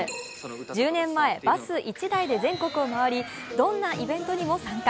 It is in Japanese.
１０年前、バス１台で全国を回りどんなイベントにも参加。